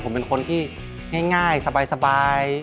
ผมเป็นคนที่ง่ายสบาย